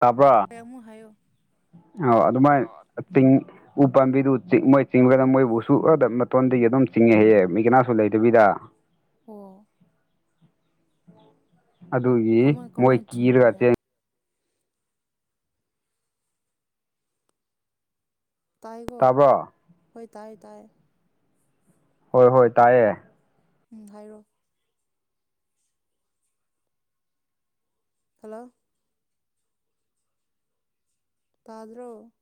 ꯇꯥꯕ꯭ꯔꯥ ꯍꯣꯏ ꯑꯃꯨꯛ ꯍꯥꯏꯌꯣ ꯑꯣ ꯑꯗꯨꯃꯥꯏꯅ ꯇꯤꯡ ꯎ ꯄꯥꯝꯕꯤꯗꯨ ꯆꯤꯠ ꯃꯣꯏ ꯆꯤꯡꯂꯒ ꯃꯣꯏꯕꯨ ꯁꯨ ꯃꯇꯣꯟꯗꯒꯤ ꯑꯗꯨꯝ ꯆꯤꯡꯉꯦꯌꯦ ꯃꯤ ꯀꯅꯥꯁꯨ ꯂꯩꯗꯕꯤꯗ [unintelligible] ꯑꯣ ꯑꯗꯨꯒꯤ ꯀꯃꯥꯏ ꯃꯣꯏ ꯀꯃꯥꯏꯅ ꯀꯤꯔꯒ ꯆꯤꯡꯕ꯭ꯔꯅꯦ ꯆꯦꯟ ꯇꯥꯏꯒꯣ ꯇꯥꯕ꯭ꯔꯣ ꯍꯣꯏ ꯇꯥꯏ ꯇꯥꯏ ꯍꯣꯏ ꯍꯣꯏ ꯇꯥꯏꯌꯦ ꯎꯝ ꯍꯥꯏꯔꫭ ꯍꯜꯂꯣ ꯇꯥꯗ꯭ꯔꯣ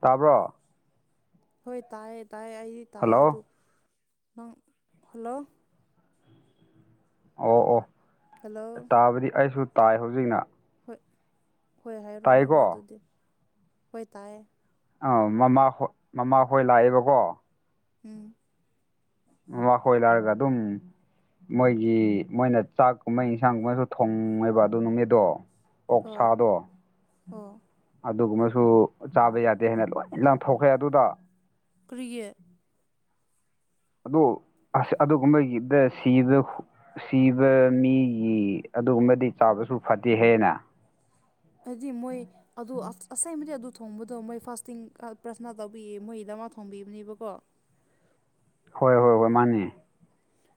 ꯇꯥꯕ꯭ꯔꯣ ꯍꯣꯏ ꯇꯥꯏꯌꯦ ꯇꯥꯏꯌꯦ ꯑꯩꯗꯤ ꯇꯥꯏꯌꯦ ꯑꯗꯨ ꯍꯜꯂꯣ ꯅꯪ ꯍꯜꯂꯣ ꯑꯣ ꯑꯣ ꯍꯜꯂꯣ ꯇꯥꯕꯗꯤ ꯑꯩꯁꯨ ꯇꯥꯏ ꯍꯧꯖꯤꯛꯅ ꯍꯣꯏ ꯍꯣꯏ ꯍꯥꯏꯔꯣ ꯍꯥꯏꯔꯣ ꯇꯥꯏꯀꯣ ꯑꯗꯨꯗꯤ ꯍꯣꯏ ꯇꯥꯏꯌꯦ ꯑꯥ ꯃꯃꯥ ꯍꯣꯏ ꯃꯃꯥ ꯍꯣꯏ ꯂꯥꯛꯑꯦꯕꯀꯣ ꯎꯝ ꯃꯃꯥ ꯈꯣꯏ ꯂꯥꯛꯒ ꯑꯗꯨꯝ ꯃꯣꯏꯒꯤ ꯃꯣꯏꯅ ꯆꯥꯛꯀꯨꯝꯕ ꯏꯟꯁꯥꯡꯒꯨꯝꯕꯁꯨ ꯊꯣꯡꯉꯦꯕ ꯑꯗꯨ ꯅꯨꯃꯤꯠꯗꯣ ꯑꯣ ꯑꯣꯛꯁꯥꯗꯣ ꯑꯣ ꯑꯗꯨꯒꯨꯝꯕꯁꯨ ꯆꯥꯕ ꯌꯥꯗꯦ ꯍꯥꯏꯅ ꯂꯣꯏ ꯂꯪꯊꯣꯛꯈ꯭ꯔꯦ ꯑꯗꯨꯗ ꯀ꯭ꯔꯤꯒꯤ ꯑꯗꯣ ꯑꯁ ꯑꯗꯨꯒꯨꯝꯕꯒꯤꯗ ꯁꯤꯗꯨ ꯁꯤꯕ ꯃꯤꯒꯤ ꯑꯗꯨꯒꯨꯝꯕꯗꯤ ꯇꯥꯕꯁꯨ ꯐꯗꯦ ꯍꯦꯅ ꯑꯗꯨꯗꯤ ꯃꯣꯏ ꯑꯗꯨ ꯑꯁ ꯑꯁꯥꯏꯕꯗꯤ ꯑꯗꯨ ꯊꯣꯡꯕꯗꯣ ꯃꯣꯏ ꯐꯥꯁꯇꯤꯡ ꯄ꯭ꯔꯊꯅꯥ ꯇꯧꯕꯤꯌꯦ ꯃꯣꯏꯗꯃꯛ ꯊꯣꯡꯕꯤꯕꯅꯦꯕꯀꯣ ꯍꯣꯏ ꯍꯣꯏ ꯍꯣꯏ ꯃꯥꯟꯅꯦ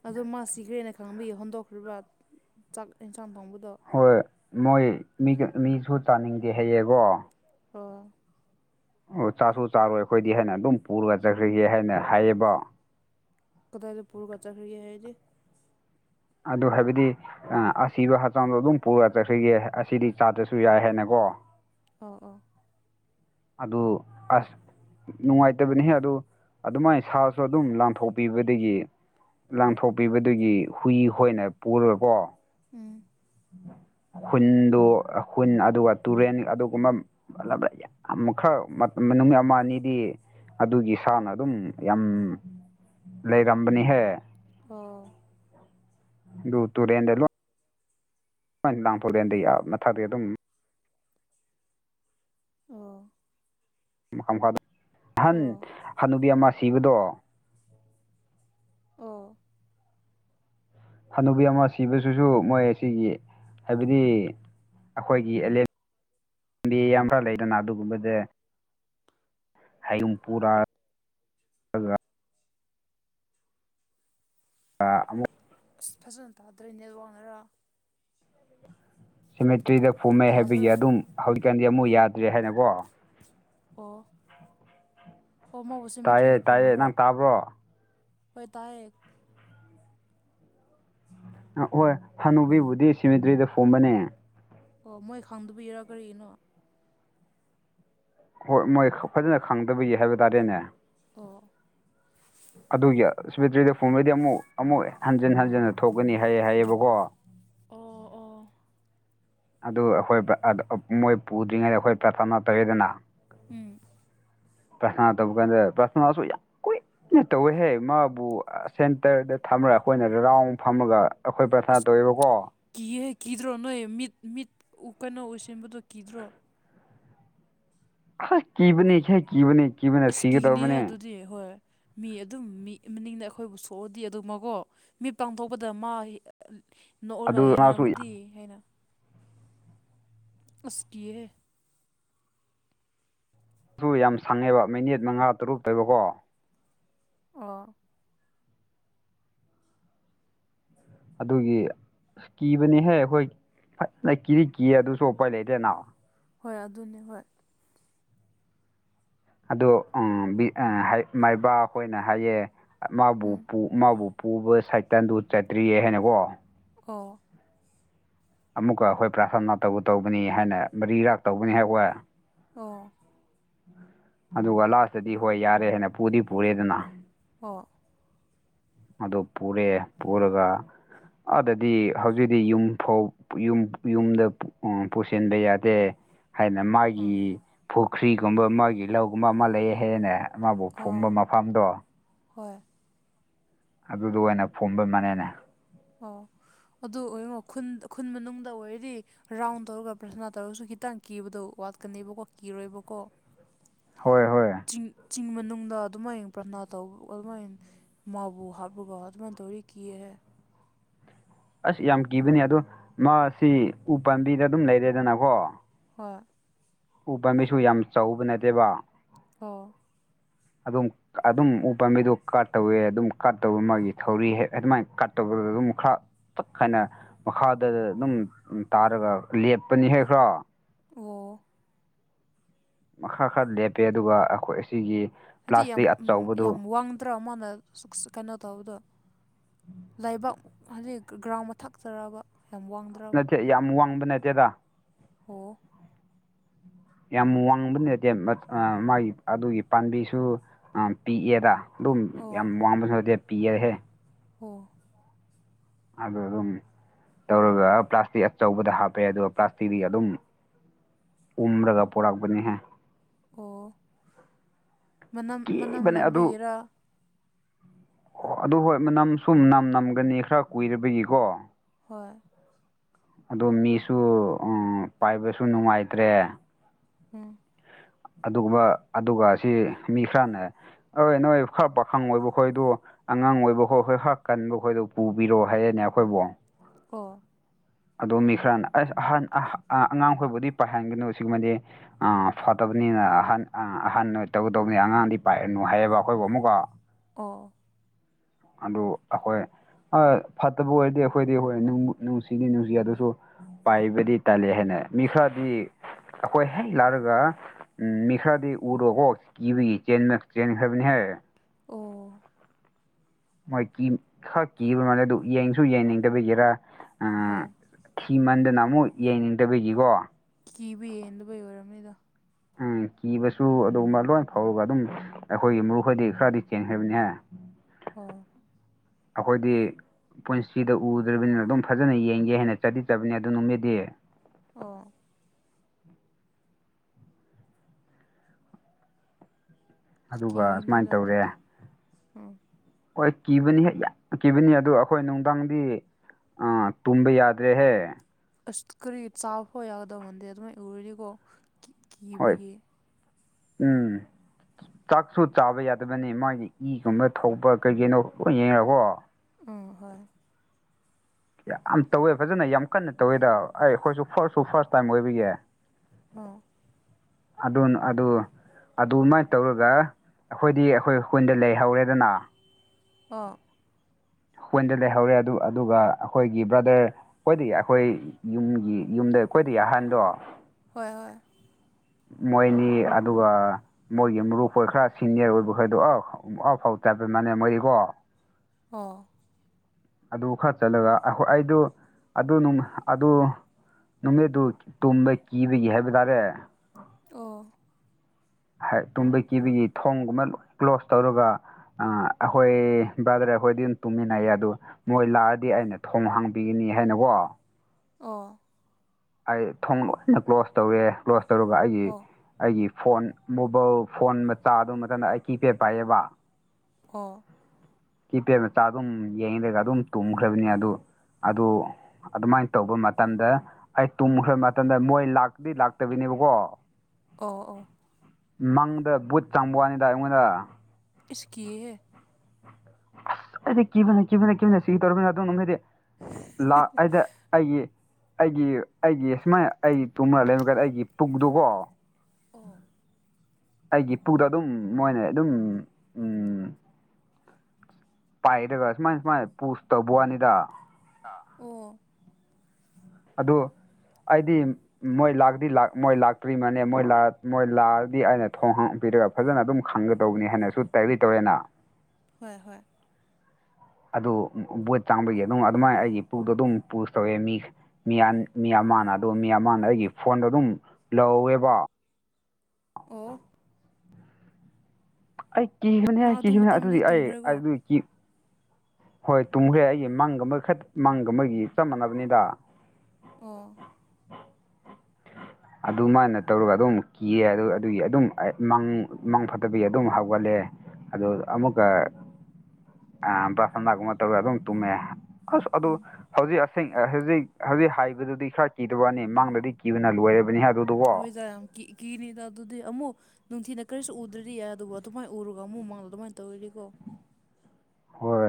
ꯑꯗꯣ ꯃꯥꯁꯤꯈ꯭ꯔꯦꯅ ꯈꯪꯕꯩ ꯍꯣꯟꯗꯣꯛꯈ꯭ꯔꯤꯕ ꯆꯥꯛ ꯌꯦꯟꯁꯥꯡ ꯊꯣꯡꯕꯗꯣ ꯍꯣꯏ ꯃꯣꯏ ꯃꯤꯒ ꯃꯤꯁꯨ ꯇꯥꯅꯤꯡꯗꯦ ꯍꯩꯌꯦꯕꯣ ꯍꯣ ꯑꯣ ꯆꯥꯁꯨ ꯆꯥꯔꯣꯏ ꯑꯩꯈꯣꯏꯗꯤ ꯍꯥꯏꯅ ꯑꯗꯨꯝ ꯄꯨꯔꯒ ꯆꯠꯈ꯭ꯔꯒꯦ ꯍꯥꯏꯅ ꯍꯥꯏꯌꯦꯕꯣ ꯀꯗꯥꯏꯗ ꯄꯨꯔꯒ ꯆꯠꯈ꯭ꯔꯒꯦ ꯍꯥꯏꯗꯤ ꯑꯗꯨ ꯍꯥꯏꯕꯗꯤ ꯑꯥ ꯑꯁꯤꯗꯣ ꯍꯛꯆꯥꯡꯗꯣ ꯑꯗꯨꯝ ꯄꯨꯔꯒ ꯆꯠꯈꯒꯦ ꯑꯁꯤꯗꯤ ꯆꯥꯗ꯭ꯔꯁꯨ ꯌꯥꯏ ꯍꯥꯏꯅꯀꯣ ꯑꯣ ꯑꯣ ꯑꯗꯨ ꯑꯁ ꯅꯨꯡꯉꯥꯏꯇꯕꯅꯤꯍꯦ ꯑꯗꯨ ꯑꯗꯨꯃꯥꯏꯅ ꯁꯥꯁꯨ ꯑꯗꯨꯝ ꯂꯥꯟꯊꯣꯛꯄꯤꯕꯗꯒꯤ ꯂꯪꯊꯣꯛꯄꯤꯕꯗꯒꯤ ꯍꯨꯏ ꯈꯣꯏꯅ ꯄꯨꯔꯒꯀꯣ ꯎꯝ ꯍꯨꯟꯗꯨ ꯍꯨꯟ ꯑꯗꯨꯒ ꯇꯨꯔꯦꯟ ꯑꯗꯨꯒꯨꯝꯕ ꯂꯕ ꯌꯥꯝ ꯑꯃꯨꯛ ꯈꯔ ꯃꯅꯨꯡ ꯑꯃ ꯑꯅꯤꯗꯤ ꯑꯗꯨꯒꯤ ꯁꯥꯥꯡꯅ ꯑꯗꯨꯝ ꯌꯥꯝ ꯂꯩꯔꯝꯕꯅꯤꯍꯦ ꯑꯣ ꯑꯗꯨ ꯇꯨꯔꯦꯟꯗ ꯂꯣ ꯍꯣꯏ ꯂꯥꯡꯊꯣꯛꯂꯦꯟꯗ ꯃꯊꯛꯇꯗꯤ ꯑꯗꯨꯝ ꯑꯣ ꯃꯈꯥ ꯃꯈꯥꯗꯣ ꯑꯍꯟ ꯑꯣ ꯍꯅꯨꯕꯤ ꯑꯃ ꯁꯤꯕꯗꯣ ꯑꯥ ꯍꯅꯨꯕꯤ ꯑꯃ ꯁꯤꯕꯕꯁꯤꯁꯨ ꯃꯣꯏ ꯑꯁꯤꯒꯤ ꯍꯥꯏꯕꯗꯤ ꯑꯩꯈꯣꯏꯒꯤ ꯑꯦꯂꯦ ꯂꯝꯕꯤ ꯑꯃꯈꯥ ꯂꯩꯗꯅ ꯑꯗꯨꯒꯨꯝꯕꯗ ꯍꯌꯨꯝꯄꯨꯔꯨꯔꯥ ꯑꯥ ꯑꯃꯨꯛ ꯑꯁ ꯐꯖꯅ ꯊꯗ꯭ꯔꯤꯅꯦ ꯉꯥꯔꯡ ꯁꯤꯃꯤꯇ꯭ꯔꯤꯗ ꯐꯨꯝꯃꯦ ꯇꯥꯕ꯭ꯔꯥ ꯍꯥꯏꯕꯒꯤ ꯑꯗꯨꯝ ꯍꯧꯖꯤꯛꯀꯥꯟꯗꯤ ꯑꯃꯨꯛ ꯌꯥꯗ꯭ꯔꯦ ꯍꯥꯏꯀꯣ ꯑꯣ ꯑꯣ ꯃꯣ ꯇꯥꯏꯌꯦ ꯁꯤꯃꯤꯇ꯭ꯔꯤꯗ ꯇꯥꯏꯌꯦ ꯐꯨꯝꯕ꯭ꯔꯣ ꯅꯪ ꯇꯥꯕ꯭ꯔꯣ ꯑꯣꯏ ꯇꯥꯌꯦ ꯑꯥ ꯍꯣꯏ ꯍꯟꯅꯨꯕꯤꯕꯨꯗꯤ ꯁꯤꯃꯤꯇ꯭ꯔꯤꯗ ꯐꯣꯝꯕꯅꯦ ꯑꯣ ꯃꯣꯏ ꯈꯪꯗꯕꯤꯔꯣ ꯀꯔꯤꯒꯤꯅꯣ ꯍꯣꯏ ꯃꯣꯏ ꯐꯖꯅ ꯈꯪꯗꯕꯒꯤ ꯍꯥꯏꯕ ꯇꯥꯔꯦꯅꯦ ꯑꯣ ꯑꯗꯨꯒꯤ ꯁꯤꯃꯤꯇ꯭ꯔꯤꯗ ꯐꯣꯝꯔꯗꯤ ꯑꯃꯨꯛ ꯑꯃꯨꯛ ꯍꯟꯖꯤꯟ ꯍꯟꯖꯤꯟꯅ ꯊꯣꯛꯀꯅꯤ ꯍꯥꯏꯌꯦ ꯍꯥꯏꯌꯦꯕꯀꯣ ꯑꯣ ꯑꯣ ꯑꯗꯨ ꯑꯩꯈꯣꯏ ꯃꯣꯏ ꯄꯨꯗ꯭ꯔꯤꯉꯩꯗ ꯑꯩꯈꯣꯏ ꯄ꯭ꯔꯊꯥꯅ ꯇꯧꯋꯦꯗꯅ ꯎꯝ ꯄ꯭ꯔꯊꯥꯅ ꯇꯧꯕꯀꯥꯟꯗ ꯄ꯭ꯔꯊꯥꯅꯁꯨ ꯌꯥꯝ ꯀ꯭ꯋꯤ ꯩꯅ ꯇꯧꯋꯦꯍꯦ ꯃꯥꯕꯨ ꯁꯦꯟꯇꯔꯗ ꯊꯝꯃꯔ ꯑꯩꯈꯣꯏꯅ ꯔꯥꯎꯟ ꯐꯝꯃꯒ ꯑꯩꯈꯣꯏ ꯄ꯭ꯔꯊꯥꯅ ꯑꯁ ꯇꯧꯋꯦꯕꯀꯣ ꯀꯤꯍꯦ ꯀꯤꯗ꯭ꯔꯣ ꯅꯣꯏ ꯃꯤꯠ ꯃꯤꯠ ꯀꯩꯅꯣ ꯑꯣꯏꯁꯤꯟꯕꯗꯣ ꯀꯤꯗ꯭ꯔꯣ ꯍꯥ ꯀꯤꯕꯅꯤꯍꯦ ꯀꯤꯕꯅꯤ ꯀꯤꯕꯅ ꯏꯁꯀꯤꯒꯅꯤꯍꯦ ꯁꯤꯒꯗꯧꯔꯕꯅꯦ ꯑꯗꯨꯗꯤ ꯍꯣꯏ ꯃꯤ ꯑꯗꯨꯝ ꯃꯤ ꯃꯅꯤꯡꯅ ꯑꯩꯈꯣꯏꯕꯨ ꯁꯣꯛꯑꯗꯤ ꯑꯗꯨ ꯃꯒꯣ ꯃꯤ ꯄꯥꯡꯊꯣꯛꯄꯗ ꯃꯥ ꯅꯣꯛꯎꯔꯒ ꯑꯗꯨ ꯃꯥꯁꯨ ꯌꯥꯝ ꯌꯦꯡꯔꯝꯃꯗꯤ ꯍꯥꯏꯅ ꯑꯁꯀꯤꯍꯦ ꯑꯗꯨ ꯌꯥꯝ ꯁꯪꯉꯦꯕ ꯃꯤꯅꯤꯠ ꯃꯉꯥ ꯇꯔꯨꯛ ꯇꯣꯏꯕꯀꯣ ꯑꯥ ꯑꯗꯨꯒꯤ ꯑꯁ ꯀꯤꯕꯅꯤꯍꯦ ꯑꯩꯈꯣꯏ ꯐꯅ ꯀꯤꯗꯤ ꯀꯤꯌꯦ ꯑꯗꯨꯁꯨ ꯎꯄꯥꯏ ꯂꯩꯇꯦꯅꯥ ꯍꯣꯏ ꯑꯗꯨꯅꯦ ꯍꯣꯏ ꯑꯗꯣ ꯃꯥꯏꯕ ꯈꯣꯏꯅ ꯍꯥꯏꯌꯦ ꯃꯥꯕꯨ ꯎꯝ ꯄꯨ ꯃꯥꯕꯨ ꯄꯨꯕ ꯁꯥꯏꯇꯟꯗꯨ ꯆꯠꯇ꯭ꯔꯤꯌꯦ ꯍꯥꯏꯅꯀꯣ ꯀꯣ ꯑꯃꯨꯛꯀ ꯑꯩꯈꯣꯏ ꯄ꯭ꯔꯊꯅꯥ ꯇꯧꯒꯗꯧꯕꯅꯤ ꯍꯥꯏꯅ ꯃꯔꯤꯔꯥꯛ ꯇꯧꯕꯅꯤ ꯍꯥꯥꯏ ꯑꯈꯣꯏ ꯑꯣ ꯑꯗꯨꯒ ꯂꯥꯁꯇꯗꯤ ꯍꯣꯏ ꯌꯥꯔꯦ ꯍꯥꯏꯅ ꯄꯨꯗꯤ ꯄꯨꯔꯦꯗꯅ ꯑꯥ ꯑꯗꯨ ꯄꯨꯔꯦ ꯄꯨꯔꯒ ꯑꯗꯨꯗꯗꯤ ꯍꯧꯖꯤꯛꯇꯤ ꯌꯨꯝ ꯐꯧ ꯌꯨꯝꯗ ꯄꯨꯁꯤꯟꯕ ꯌꯥꯗꯦ ꯍꯥꯏꯅ ꯃꯥꯒꯤ ꯎꯝ ꯄꯨꯈ꯭ꯔꯤꯒꯨꯝꯕ ꯃꯥꯒꯤ ꯂꯧꯒꯨꯝꯕ ꯑꯃ ꯂꯩꯌꯦ ꯍꯥꯏꯌꯦꯅꯦ ꯃꯕꯨ ꯐꯨꯝꯕ ꯑꯣ ꯃꯐꯝꯗꯣ ꯍꯣꯏ ꯑꯗꯨꯗ ꯑꯣꯏꯅ ꯐꯨꯝꯕꯩ ꯃꯅꯦꯅꯦ ꯑꯣ ꯑꯗꯨ ꯑꯣꯏꯔꯉꯣ ꯈꯨꯟ ꯈꯨꯟ ꯃꯅꯨꯡꯗ ꯑꯣꯏꯔꯗꯤ ꯔꯥꯎꯟ ꯇꯧꯔꯒ ꯄ꯭ꯔꯁꯅꯥ ꯇꯧꯔꯁꯨ ꯈꯤꯇꯪ ꯀꯤꯕꯗꯣ ꯋꯥꯠꯀꯅꯦꯕꯀꯣ ꯀꯤꯔꯣꯏꯕꯀꯣ ꯍꯣꯏ ꯍꯣꯏ ꯆꯤꯡ ꯆꯤꯡ ꯃꯅꯨꯡꯗ ꯑꯗꯨꯃꯥꯏꯅ ꯄ꯭ꯔꯊꯅꯥ ꯇꯧꯕ ꯑꯗꯨꯃꯥꯏꯅ ꯃꯕꯨ ꯍꯥꯕꯒꯗꯃ ꯇꯧꯔꯤ [inaudible] ꯀꯦ ꯍꯥꯏ ꯑꯁ ꯌꯥꯝ ꯀꯤꯕꯅꯤ ꯑꯗꯣ ꯃꯥꯁꯤ ꯎ ꯄꯥꯝꯕꯤꯗ ꯑꯗꯨꯝ ꯂꯩꯔꯦꯗꯅꯀꯣ ꯍꯣꯏ ꯎ ꯄꯥꯝꯕꯤꯁꯨ ꯌꯥꯝ ꯆꯥꯎꯕ ꯅꯠꯇꯦꯕ ꯑꯣ ꯑꯗꯨꯝ ꯑꯗꯨꯝ ꯎ ꯄꯥꯝꯕꯤꯗꯨꯣ ꯀꯥꯠ ꯇꯧꯋꯦ ꯑꯗꯨꯝ ꯀꯔꯠ ꯇꯧꯕ ꯃꯥꯒꯤ ꯊꯧꯔꯤ ꯍꯦꯛ ꯑꯗꯨꯃꯥꯏꯅ ꯀꯔꯠ ꯇꯧꯕꯗꯨꯗ ꯑꯗꯨꯝ ꯈꯔ ꯍꯥꯏꯅ ꯃꯈꯥꯗ ꯑꯗꯨꯝ ꯇꯥꯔꯒ ꯂꯦꯞꯄꯅꯤ ꯍꯥꯢꯕ ꯑꯣ ꯃꯈꯥ ꯈꯔ ꯂꯦꯞꯄꯦ ꯑꯗꯨꯒ ꯑꯩꯈꯣꯏ ꯑꯁꯤꯒꯤ ꯍꯥꯏꯗꯤ ꯌꯥꯝ ꯄ꯭ꯂꯥꯁꯇꯤꯛ ꯑꯆꯧꯕꯗꯨ ꯌꯥꯝ ꯋꯥꯡꯗ꯭ꯔꯥ ꯃꯥꯅ ꯁ ꯀꯩꯅꯣ ꯇꯧꯕꯗꯣ ꯂꯥꯏꯕꯛ ꯍꯧꯖꯤꯛ ꯒ꯭ꯔꯥꯎꯟ ꯃꯊꯥꯛꯇꯔꯕ ꯅꯠꯇꯦ ꯌꯥꯝ ꯋꯥꯡꯕ ꯅꯠꯇꯦꯗ ꯑꯣ ꯌꯥꯝ ꯋꯥꯡꯕꯗꯤ ꯅꯠꯇꯦ ꯃꯥꯒꯤ ꯑꯗꯨꯒꯤ ꯄꯥꯝꯕꯤꯁꯨ ꯄꯤꯛꯑꯦꯗ ꯑꯗꯨꯝ ꯑꯣ ꯌꯥꯝ ꯋꯥꯡꯕꯁꯨ ꯅꯠꯇꯦ ꯄꯤꯛꯌꯦꯍꯦ ꯑꯣ ꯑꯗꯨ ꯑꯗꯨꯝ ꯇꯧꯔꯒ ꯄ꯭ꯂꯥꯁꯇꯤꯛ ꯑꯆꯧꯕꯗ ꯍꯥꯞꯄꯦ ꯑꯗꯨꯒ ꯄ꯭ꯂꯥꯁꯇꯤꯛꯇꯤ ꯑꯗꯨꯝ ꯎꯝꯔꯒ ꯄꯨꯔꯛꯄꯅꯤꯍꯦ ꯑꯣ ꯃꯅꯝ ꯃꯅꯝ ꯀꯤꯕꯅꯦ ꯑꯗꯨ ꯅꯝꯕꯒꯤꯔꯥ ꯑꯣ ꯑꯗꯨ ꯍꯣꯏ ꯃꯅꯝ ꯁꯨꯝ ꯅꯝ ꯅꯝꯒꯅꯤ ꯈꯔ ꯀꯨꯏꯔꯕꯒꯤꯀꯣ ꯍꯣꯏ ꯑꯗꯣ ꯃꯤꯁꯨ ꯎ ꯄꯥꯏꯕꯁꯨ ꯅꯨꯡꯉꯥꯏꯇ꯭ꯔꯦ ꯎꯝ ꯑꯗꯨꯒꯨꯝꯕ ꯑꯗꯨꯒ ꯑꯁꯤ ꯃꯤ ꯈꯔꯅ ꯍꯣꯢ ꯅꯣꯏ ꯈꯔ ꯄꯥꯈꯪ ꯑꯣꯏꯕꯈꯣꯏꯗꯨ ꯑꯉꯥꯡ ꯑꯣꯏꯕ ꯈꯣ ꯑꯩꯈꯣꯏ ꯍꯥ ꯀꯟꯕ ꯈꯣꯏꯗ ꯄꯨꯕꯤꯔꯣ ꯍꯥꯏꯔꯦꯅꯦ ꯑꯩꯈꯣꯏꯕꯨ ꯑꯣ ꯑꯗꯣ ꯃꯤ ꯈꯔꯅ ꯑꯁ ꯑꯍꯥꯜ ꯑꯉꯥꯡꯈꯣꯏꯕꯨꯗꯤ ꯄꯥꯏꯍꯟꯒꯅꯨ ꯁꯤꯒꯨꯝꯕꯗꯤ ꯑꯥ ꯐꯠꯇꯕꯅꯤꯅ ꯑꯍ ꯑꯍꯟ ꯑꯣꯏ ꯇꯧꯒꯗꯧꯕꯅꯤ ꯑꯉꯥꯡꯗꯤ ꯄꯥꯏꯔꯅꯨ ꯍꯥꯏꯌꯦꯕ ꯑꯩꯈꯣꯏꯕꯨ ꯑꯃꯨꯛꯀ ꯑꯣ ꯑꯗꯨ ꯑꯩꯈꯣꯏ ꯐꯠꯇꯕ ꯑꯣꯏꯔꯗꯤ ꯑꯩꯈꯣꯏꯗꯤ ꯍꯣꯏ ꯅꯨꯡꯕꯨꯗꯤ ꯅꯨꯡꯁꯤ ꯑꯗꯨꯁꯨ ꯄꯥꯏꯕꯗꯤ ꯇꯜꯂꯦ ꯍꯥꯢꯅ ꯃꯤ ꯈꯔꯗꯤ ꯑꯩꯈꯣꯏ ꯍꯦꯛ ꯂꯥꯔꯒ ꯎ ꯃꯤ ꯈꯔꯗꯤ ꯎꯔꯣꯀꯣ ꯀꯤꯕꯒꯤ ꯆꯦꯟꯈꯔꯕꯅꯦ ꯍꯦ ꯑꯣ ꯃꯣꯏ ꯈꯔ ꯀꯤꯕ ꯃꯥꯜꯂꯦ ꯑꯗꯨ ꯌꯦꯡꯁꯨ ꯌꯦꯡꯅꯤꯡꯗꯕꯤꯒꯤꯔꯥ ꯍꯣꯏ ꯊꯤꯃꯟꯗꯅ ꯑꯃꯨꯛ ꯌꯥꯡꯅꯤꯡꯗꯕꯒꯤꯀꯣ ꯀꯤꯕꯩ ꯌꯦꯟꯗꯕ ꯑꯣꯏꯔꯝꯅꯤꯗ ꯎꯝ ꯀꯤꯕꯁꯨ ꯑꯗꯨꯒꯨꯝꯕ ꯂꯣꯏ ꯐꯥꯎꯔꯒ ꯑꯗꯨꯝ ꯑꯩꯈꯣꯏꯒꯤ ꯃꯔꯨꯞ ꯈꯣꯢꯗꯤ ꯈꯔꯗꯤ ꯆꯦꯟꯈ꯭ꯔꯕꯅꯤꯍꯦ ꯑꯣ ꯑꯩꯈꯣꯏꯗꯤ ꯄꯣꯏꯟꯁꯤꯔꯤꯗ ꯎꯗ꯭ꯔꯕꯅꯤꯅ ꯑꯗꯨꯝ ꯐꯖꯅ ꯌꯦꯡꯒꯦ ꯍꯥꯏꯅ ꯆꯠꯗꯤ ꯆꯕꯅꯤ ꯑꯗꯨ ꯅꯨꯃꯤꯠꯗꯤ ꯑꯣ ꯑꯗꯨꯒ ꯁꯨꯃꯥꯏꯅ ꯀꯤꯅꯤꯗ ꯇꯧꯔꯦ ꯑꯗꯨꯗꯤ ꯎꯝ ꯍꯣꯏ ꯀꯤꯕꯅꯤ ꯍꯦꯛ ꯌꯥꯝ ꯀꯤꯕꯅꯤ ꯑꯗꯨ ꯑꯩꯈꯣꯏ ꯅꯨꯡꯗꯥꯡꯗꯤ ꯑ ꯇꯨꯝꯕ ꯌꯥꯗ꯭ꯔꯦ ꯍꯦ ꯑꯁ ꯀꯔꯤ ꯆꯥꯐꯄ ꯌꯥꯒꯗꯃꯗꯤꯦ ꯑꯗꯨꯃꯥꯏꯅ ꯎꯔꯤꯅꯤꯀꯣ ꯍꯣꯏ ꯀꯤꯕꯒꯤ ꯎꯝ ꯆꯥꯛꯁꯨ ꯆꯥꯕ ꯌꯥꯗꯕꯅꯦ ꯃꯥꯒꯤ ꯏꯒꯨꯝꯕ ꯊꯧꯕ ꯀꯩ ꯀꯅꯣ ꯂꯣꯏ ꯌꯦꯡꯉꯀꯣ ꯑꯝ ꯍꯣꯏ ꯌꯥꯝ ꯇꯧꯋꯦ ꯐꯖꯅ ꯌꯥꯝ ꯀꯟꯅ ꯇꯧꯋꯦꯗ ꯑꯩ ꯑꯩꯈꯣꯏꯁꯨ ꯐꯥꯔꯁꯠꯁꯨ ꯐꯥꯔꯁ ꯇꯥꯏꯝ ꯑꯣꯏꯕꯤꯌꯦꯦ ꯍ ꯑꯗꯨ ꯑꯗꯨ ꯑꯗꯨꯃꯥꯏꯅ ꯇꯧꯔꯒ ꯑꯩꯈꯣꯏꯗꯤ ꯑꯩꯈꯣꯏꯣꯏꯟꯗ ꯂꯩꯍꯧꯔꯦ ꯑꯗꯨꯗꯅꯥ ꯑꯥ ꯍꯣꯏꯟꯗ ꯂꯩꯍꯧꯔꯦ ꯑꯗꯨꯒ ꯑꯩꯈꯣꯏꯒꯤ ꯕ꯭ꯔꯗꯔ ꯑꯩꯈꯣꯏꯗ ꯑꯩꯈꯣꯏ ꯌꯨꯝꯒꯤ ꯌꯨꯝꯗ ꯑꯩꯈꯣꯏꯗꯩ ꯑꯍꯟꯗꯣ ꯍꯣꯏ ꯍꯣꯏ ꯃꯣꯏꯅꯤ ꯑꯗꯨꯒ ꯃꯣꯏꯒꯤ ꯃꯔꯨꯞ ꯑꯣꯏꯣꯏ ꯈꯔ ꯁꯤꯅꯤꯌꯔ ꯑꯣꯏꯕ ꯈꯗꯣ ꯑ ꯑ ꯐꯥꯎ ꯆꯥꯗ ꯃꯅꯦ ꯃꯣꯏꯗꯤꯀꯣ ꯑꯣꯥ ꯑꯗꯨ ꯈꯔ ꯆꯠꯂꯒꯣꯏ ꯑꯩꯗꯨ ꯑꯗꯨ ꯑꯗꯨ ꯅꯨꯃꯤꯠꯠꯇ ꯇꯨꯝꯕ ꯀꯤꯕꯒꯤ ꯍꯥꯏꯕ ꯇꯥꯔꯦ ꯑꯣ ꯇꯨꯝꯕ ꯀꯤꯕꯒꯤ ꯊꯣꯡꯒꯨꯝꯕ ꯂꯣꯏ ꯀ꯭ꯂꯣꯁ ꯇꯧꯔꯒ ꯑ ꯑꯩꯈꯣꯏ ꯕꯥꯗ꯭ꯔꯦ ꯑꯩꯈꯣꯏꯗꯤ ꯑꯗꯨꯝ ꯇꯨꯝꯃꯤꯟꯅꯩꯌꯦ ꯑꯗꯨ ꯃꯣꯏ ꯂꯥꯛꯑꯗꯤ ꯑꯩꯅ ꯊꯣꯡ ꯍꯥꯡꯕꯤꯒꯅꯤ ꯍꯥꯏꯅꯀꯣ ꯑꯣ ꯑꯩ ꯊꯣꯡ ꯂꯣꯏꯅ ꯀ꯭ꯂꯣꯁ ꯇꯧꯋꯦ ꯀ꯭ꯂꯣꯁ ꯇꯧꯔꯒ ꯑꯩꯒꯤ ꯑꯣ ꯑꯩꯒꯤ ꯐꯣꯟ ꯃꯣꯕꯥꯜ ꯐꯣꯟ ꯃꯆꯥ ꯑꯗꯨ ꯃꯇꯝꯗ ꯑꯩ ꯀꯤ ꯄꯦꯗ ꯄꯥꯏꯌꯦꯕ ꯍ ꯀꯤꯄꯦꯗ ꯃꯆꯥ ꯑꯗꯨꯝ ꯌꯦꯡꯔꯒ ꯑꯗꯨꯝ ꯇꯨꯝꯈ꯭ꯔꯕꯅꯤ ꯑꯗꯨ ꯑꯗꯨ ꯑꯗꯨꯃꯥꯏꯅ ꯇꯧꯕ ꯃꯇꯝꯗ ꯑꯩ ꯇꯨꯝꯈ꯭ꯔꯕ ꯃꯇꯝꯗ ꯃꯣꯏ ꯂꯥꯛꯇꯗꯤ ꯂꯥꯛꯇꯕꯤꯅꯦꯕꯀꯣ ꯑꯣ ꯑꯣ ꯃꯪꯗ ꯕꯨꯠ ꯆꯪꯕ ꯋꯥꯅꯤꯗ ꯑꯩꯉꯣꯟꯗ ꯏꯁꯀꯤꯦ ꯑꯁ ꯑꯩꯗꯤ ꯀꯤꯕꯅꯦ ꯀꯤꯕꯅꯦ ꯀꯤꯕꯅꯦ ꯁꯤ ꯇꯧꯔꯕꯅꯤꯅ ꯑꯝꯅꯨꯡ ꯍꯥꯏꯗꯤ ꯂ ꯑꯩꯗ ꯑꯩꯒꯤ ꯑꯩꯒꯤ ꯑꯩꯒꯤ ꯁꯨꯃꯥꯏꯅ ꯑꯩꯒꯤ ꯇꯨꯝꯃ ꯂꯩꯔꯒꯥꯟꯗ ꯑꯩꯒꯤ ꯇꯧꯕꯘꯣꯀꯣ ꯑꯣ ꯑꯩꯒꯤ ꯏꯄꯨꯗ ꯑꯗꯨꯝ ꯃꯣꯏꯅ ꯑꯗꯨꯝ ꯎꯝ ꯄꯥꯏꯔꯒ ꯁꯨꯃꯥꯏ ꯁꯨꯃꯥꯏꯅ ꯄꯨꯁ ꯇꯧꯕ ꯋꯥꯅꯤꯗ ꯑꯣ ꯑꯗꯨ ꯑꯩꯗꯤ ꯃꯣꯏ ꯂꯥꯛꯗꯤ ꯃꯣꯏ ꯂꯥꯛꯇ꯭ꯔꯤ ꯃꯅꯦ ꯃꯣꯏ ꯃꯣꯏ ꯂꯥꯛꯑꯗꯤ ꯑꯩꯅ ꯊꯣꯡ ꯍꯪ ꯄꯤꯔꯒ ꯐꯖꯅ ꯑꯗꯨꯝ ꯈꯪꯒꯗꯧꯕꯅꯤ ꯍꯥꯏꯅꯁꯨ ꯇꯥꯏꯂꯤ ꯇꯧꯋꯦꯅ ꯍꯣꯏ ꯍꯣꯏ ꯑꯗꯨ ꯕꯣꯏ ꯇꯡꯕꯒꯤ ꯑꯗꯨꯝ ꯑꯗꯨꯃꯥꯏꯅ ꯑꯩꯒꯤ ꯄꯨꯗꯣ ꯑꯗꯨꯝ ꯄꯨꯁ ꯇꯧꯋꯦ ꯃꯤ ꯃꯤ ꯃꯤ ꯑꯃꯅ ꯑ ꯃꯤ ꯑꯃꯅ ꯑꯩꯒꯤ ꯐꯣꯟꯗꯣ ꯑꯗꯨꯝ ꯂꯧꯍꯋꯦꯕ ꯑꯣ ꯑꯩ ꯀꯤꯈꯤꯕꯅꯤ ꯅꯪ ꯑꯩ ꯑꯗꯨ ꯀꯤꯈꯤꯕꯅꯤ ꯃꯇꯝꯗꯤ ꯑꯗꯨꯗꯤ ꯑꯩ ꯇꯨꯝꯈ꯭ꯔꯦꯀꯣ ꯑꯗꯨ ꯍꯣꯏ ꯇꯨꯡꯈ꯭ꯔꯦ ꯑꯩꯒꯤ ꯃꯪꯒ ꯑꯃ ꯈꯠ ꯃꯪꯒ ꯑꯃꯒꯤ ꯆꯞ ꯃꯥꯟꯅꯕꯅꯤꯗ ꯑꯣ ꯑꯗꯨꯃꯥꯏꯅ ꯇꯧꯔꯒ ꯑꯗꯨꯝ ꯀꯤꯌꯦ ꯑꯗꯨ ꯑꯗꯨꯒꯤ ꯑꯗꯨꯝ ꯃꯪ ꯃꯥꯡ ꯐꯠꯇꯕꯤꯒꯤ ꯑꯗꯨꯝ ꯍꯧꯒꯠꯂꯦ ꯑꯗꯨ ꯑꯃꯨꯛꯀ ꯄꯁꯟꯗꯀꯨꯝꯕ ꯃꯇꯝꯗ ꯑꯗꯨꯝ ꯇꯨꯝꯃꯦ ꯑꯁ ꯑꯗꯨ ꯎꯝ ꯍꯧꯖꯤ ꯍꯧꯖꯤꯛ ꯍꯧꯖꯤꯛ ꯍꯥꯏꯕꯗꯨꯗꯤ ꯈꯔ ꯀꯤꯗꯕꯅꯤ ꯃꯥꯡꯗꯗꯤ ꯀꯤꯕꯅ ꯂꯣꯏꯔꯕꯅꯤ ꯑꯗꯨ ꯍꯣꯏꯗ ꯌꯥꯝ ꯀꯤ ꯀꯤꯅꯤꯗ ꯑꯗꯨꯗꯤ ꯑꯃꯨꯛ ꯅꯨꯡꯊꯤꯅ ꯀꯔꯤꯁꯨ ꯎꯗ꯭ꯔꯤ ꯌꯥꯏ ꯑꯗꯨꯕꯨ ꯑꯗꯨꯃꯥꯏꯅ ꯎꯔꯨꯔꯒ ꯑꯃꯨꯛ ꯃꯃꯥꯡꯗ ꯑꯗꯨꯃꯥꯏꯅ ꯇꯧꯔꯗꯤꯀꯣ ꯍꯣꯏ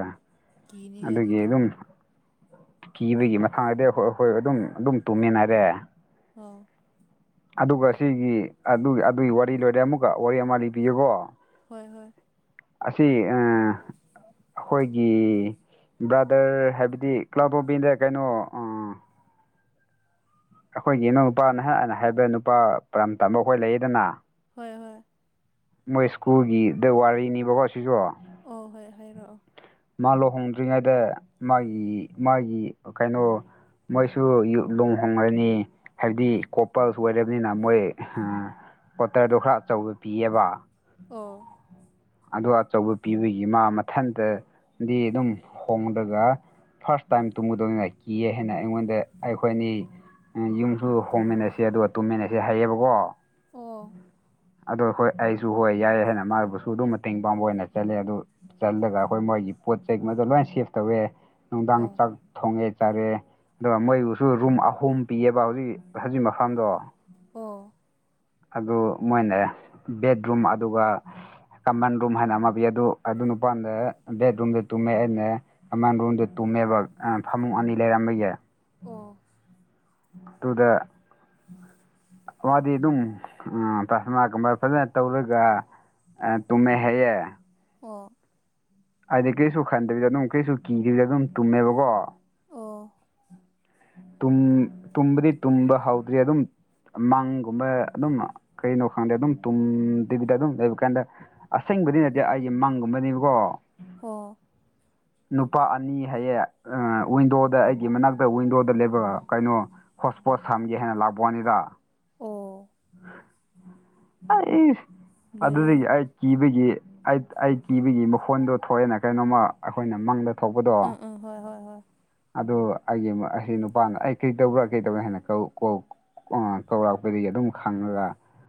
ꯀꯤꯅꯤꯍꯦ ꯑꯗꯨꯒꯤ ꯑꯗꯨꯗꯤ ꯑꯗꯨꯝ ꯀꯤꯕꯒꯤ ꯃꯇꯥꯡꯗꯗꯤ ꯍꯣꯏ ꯍꯣꯏ ꯑꯗꯨꯝ ꯑꯗꯨꯝ ꯇꯨꯝꯃꯦꯅ ꯑꯩꯗꯤ ꯑꯣ ꯑꯗꯨꯒ ꯁꯤꯒꯤ ꯑꯗꯨꯒꯤ ꯑꯗꯨꯒꯤ ꯋꯥꯔꯤ ꯂꯣꯏꯔꯦ ꯑꯃꯨꯛꯀ ꯋꯥꯔꯤ ꯑꯃ ꯂꯤꯕꯤꯌꯨꯀꯣ ꯍꯣꯏ ꯍꯣꯏ ꯑꯁꯤ ꯑ ꯑꯩꯈꯣꯏꯒꯤ ꯕ꯭ꯔꯥꯗꯔ ꯍꯥꯏꯕꯗꯤ ꯀ꯭ꯂꯕ ꯑꯣꯐ ꯏꯟꯗꯤꯌꯥ ꯀꯩꯅꯣ ꯑꯩꯈꯣꯏꯒꯤ ꯏꯅꯥꯎ ꯅꯨꯄꯥ ꯅꯍꯅ ꯍꯥꯏꯕ ꯅꯨꯄꯥ ꯄꯔꯝ ꯇꯝꯕ ꯑꯩꯈꯣꯏ ꯂꯩꯌꯦꯗꯅ ꯍꯣꯏ ꯍꯣꯏ ꯃꯣꯏ ꯏꯁ꯭ꯀꯨꯜꯒꯤ ꯋꯥꯔꯤꯅꯦꯕꯀꯣ ꯁꯤꯁꯨ ꯑꯣ ꯍꯣꯏ ꯍꯥꯏꯔꯛꯑꯣ ꯃꯥ ꯂꯨꯍꯣꯡꯗ꯭ꯔꯤꯉꯩꯗ ꯃꯥꯒꯤ ꯃꯥꯒꯤ ꯀꯩꯅꯣ ꯃꯣꯏꯁꯨ ꯂꯣꯡ ꯍꯣꯡꯂꯅꯤ ꯍꯥꯏꯕꯗꯤ ꯀꯣꯄꯜꯁꯨ ꯑꯣꯏꯔꯕꯅꯤꯅ ꯃꯣꯏ ꯄꯣꯇꯔꯗꯣ ꯈꯔ ꯑꯆꯧꯕ ꯄꯤꯌꯦꯕ ꯑꯣ ꯑꯗꯨ ꯑꯆꯧꯕ ꯄꯤꯕꯒꯤ ꯃꯥ ꯃꯊꯟꯇ ꯗꯤ ꯑꯗꯨꯝ ꯍꯣꯡꯗꯒ ꯐꯥꯔꯁ ꯇꯥꯏꯝ ꯇꯨꯝꯒꯗꯧꯅꯤ ꯀꯤꯑ ꯍꯥꯏꯅ ꯑꯩꯉꯣꯟꯗ ꯑꯩꯈꯣꯏꯅꯤ ꯌꯨꯝꯁꯨ ꯍꯣꯡꯃꯤꯟꯅꯁꯦ ꯑꯗꯨꯒ ꯇꯨꯝꯃꯤꯟꯅꯁꯦ ꯍꯥꯏꯌꯦꯕꯀꯣ ꯑꯣ ꯑꯗꯨ ꯍꯣꯏ ꯑꯩꯁꯨ ꯍꯣꯏ ꯌꯥꯏ ꯍꯥꯏꯅ ꯃꯥꯕꯨꯁꯨ ꯑꯗꯨꯝ ꯃꯇꯦꯡ ꯄꯥꯡꯕ ꯑꯣꯏꯅ ꯆꯠꯂꯦ ꯑꯗꯨ ꯆꯜꯂꯒ ꯑꯩꯈꯣꯏ ꯃꯣꯏꯒꯤ ꯄꯣꯠ ꯆꯩꯒꯨꯝꯕꯗꯣ ꯂꯣꯏ ꯁꯦꯐ ꯇꯧꯋꯦ ꯅꯨꯡꯗꯥꯡ ꯑꯣ ꯆꯥꯛ ꯊꯣꯡꯉꯦ ꯆꯥꯔꯦ ꯑꯗꯨꯒ ꯃꯣꯏꯕꯨꯁꯨ ꯔꯨꯝ ꯑꯍꯨꯝ ꯄꯤꯌꯦꯕ ꯍꯧꯖꯤꯛ ꯍꯧꯖꯤꯛ ꯃꯐꯝꯗꯣ ꯑꯣ ꯑꯗꯨ ꯃꯣꯏꯅꯦ ꯕꯦꯠꯔꯨꯝ ꯑꯗꯨꯒ ꯀꯃꯟ ꯔꯨꯝ ꯍꯥꯏꯅ ꯑꯃ ꯄꯤ ꯑꯗꯨ ꯑꯗꯨ ꯅꯨꯄꯥꯗ ꯕꯦꯠꯔꯨꯝꯗ ꯇꯨꯝꯃꯦ ꯑꯩꯅ ꯑꯃꯟ ꯔꯣꯝꯗ ꯇꯨꯝꯃꯦꯕ ꯐꯃꯨꯡ ꯑꯅꯤ ꯂꯩꯔꯝꯕꯒꯤ ꯑꯣ ꯑꯗꯨꯗ ꯃꯥꯗꯤ ꯑꯗꯨꯝ ꯇꯁꯅꯥꯒꯨꯝꯕ ꯐꯖꯅ ꯇꯧꯔꯒ ꯑꯗ ꯇꯨꯝꯃꯦ ꯍꯥꯏꯌꯦ ꯑꯣ ꯍꯥꯏꯗꯤ ꯀꯩꯁꯨ ꯈꯟꯗꯕꯤꯗ ꯑꯗꯨꯝ ꯀꯩꯁꯨ ꯀꯤꯗ꯭ꯕꯤꯗ ꯑꯗꯨꯝ ꯇꯨꯝꯃꯦꯕꯀꯣ ꯑꯣ ꯇꯨꯝ ꯇꯨꯝꯕꯗꯤ ꯇꯨꯝꯕ ꯍꯧꯗ꯭ꯔꯤ ꯑꯗꯨꯝ ꯃꯪꯒꯨꯝꯕ ꯑꯗꯨꯝ ꯀꯩꯅꯣ ꯈꯪꯗꯦ ꯑꯗꯨꯝ ꯇꯨꯝꯗꯤꯕꯤꯗ ꯑꯗꯨꯝ ꯂꯩꯕ ꯀꯥꯟꯗ ꯑꯁꯦꯡꯕꯗꯤ ꯅꯠꯇꯦ ꯑꯩꯒꯤ ꯃꯪꯒꯨꯝꯕꯗꯤꯀꯣ ꯍꫭ ꯅꯨꯄꯥ ꯑꯅꯤ ꯍꯥꯏꯌꯦ ꯋꯤꯟꯗꯣꯗ ꯑꯩꯒꯤ ꯃꯅꯥꯛꯇ ꯋꯤꯟꯗꯣꯗ ꯂꯩꯕ ꯀꯩꯅꯣ ꯍꯣꯁꯄꯣꯠ ꯁꯝꯒꯦ ꯍꯥꯏꯅ ꯂꯥꯛꯄ ꯋꯥꯅꯤꯗ ꯑꯣ ꯑꯩ ꯑꯗꯨꯗꯒꯤ ꯂꯣꯏꯔꯦꯍꯦ ꯑꯩ ꯀꯤꯕꯒꯤ ꯑꯩ ꯑꯩ ꯀꯤꯕꯒꯤ ꯃꯈꯣꯟꯗꯣ ꯊꯣꯛꯑꯦꯅ ꯀꯩꯅꯣꯝꯃ ꯑꯩꯈꯣꯏꯅ ꯃꯪꯗ ꯊꯣꯛꯄꯗꯣ ꯑꯥ ꯍꯣꯏ ꯍꯣꯏ ꯍꯣꯏ ꯑꯗꯨ ꯑꯩꯒꯤ ꯑꯩ ꯅꯨꯄꯥꯅ ꯑꯩ ꯀꯔꯤ ꯇꯧꯕ꯭ꯔꯥ ꯀꯩꯗꯧꯒꯦ ꯍꯥꯏꯅ ꯀꯧꯔꯛꯄꯗꯒꯤ ꯑꯗꯨꯝ ꯈꯪꯉꯒ